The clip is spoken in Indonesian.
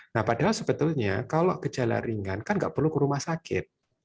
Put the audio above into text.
nah padahal sebetulnya kalau gejala ringan kan nggak perlu ke rumah sakit